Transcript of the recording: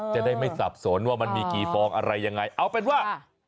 จะได้ไม่สับสนว่ามันมีกี่ฟองอะไรยังไงเอาเป็นว่า